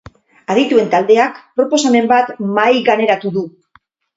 Adituen taldeak proposamen bat mahaiganeratu du.